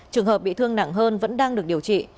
trường hợp bị thương nặng hơn vẫn đang được điều trị